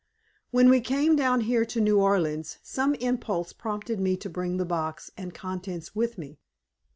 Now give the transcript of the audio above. When we came down here to New Orleans some impulse prompted me to bring the box and contents with me.